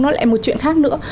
nó lại một chuyện khác nữa